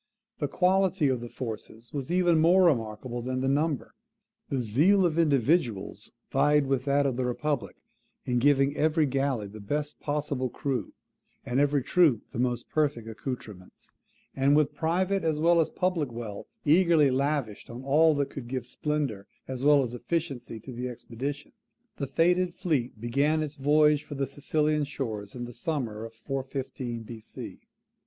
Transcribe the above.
The quality of the forces was even more remarkable than the number. The zeal of individuals vied with that of the republic in giving every galley the best possible crew, and every troop the most perfect accoutrements. And with private as well as public wealth eagerly lavished on all that could give splendour as well as efficiency to the expedition, the fated fleet began its voyage for the Sicilian shores in the summer of 415 B.C.